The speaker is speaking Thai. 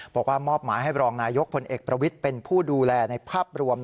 บอกว่ามอบหมายให้รองนายกพลเอกประวิทย์เป็นผู้ดูแลในภาพรวม